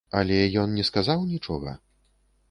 Але ён не сказаў нічога?